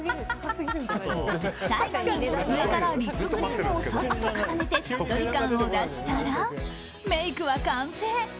最後に上からリップクリームをさっと重ねてしっとり感を出したらメイクは完成。